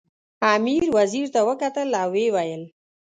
امیر وزیر ته وکتل او ویې ویل.